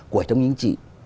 của trong những chị